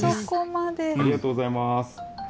ありがとうございます。